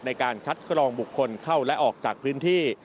ในการคัดกรองบุคคลเข้าและออกจากพื้นที่